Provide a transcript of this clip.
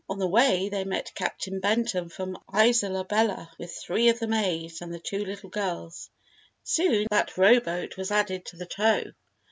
On the way, they met Captain Benton from Isola Bella with three of the maids and the two little girls. Soon, that rowboat was added to the tow.